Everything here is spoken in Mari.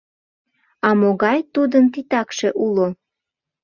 А могай тудын титакше уло?